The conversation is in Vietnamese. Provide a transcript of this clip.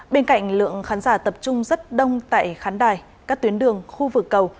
bên cạnh lượng khán giả tập trung rất đông tại khán đài các tuyến đường khu vực cầu